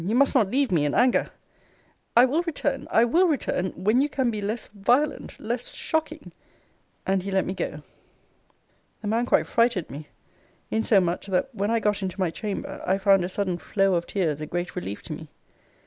You must not leave me in anger I will return I will return when you can be less violent less shocking. And he let me go. The man quite frighted me; insomuch, that when I got into my chamber, I found a sudden flow of tears a great relief to me.